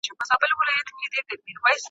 آيا سياست د ژوند اسانتياوې برابروي؟